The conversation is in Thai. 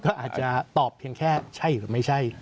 ก็อาจจะตอบเพียงแค่ใช่หรือไม่ใช่